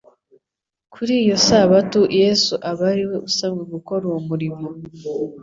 Kuri iyo sabato Yesu aba ariwe usabwa gukora uwo murimo.